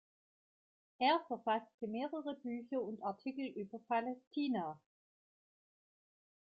Er verfasste mehrere Bücher und Artikel über Palästina.